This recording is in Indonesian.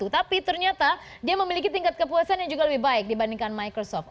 tapi ternyata dia memiliki tingkat kepuasan yang juga lebih baik dibandingkan microsoft